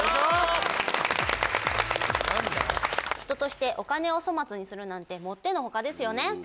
人としてお金を粗末にするなんてもっての外ですよね。